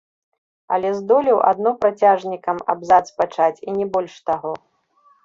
Але здолеў адно працяжнікам абзац пачаць, і не больш таго.